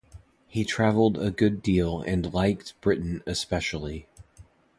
He travelled a good deal and liked Britain especially.